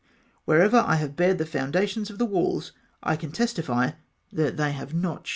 Wherever I have bared the foundations of the walls, I can testify that they have not shifted.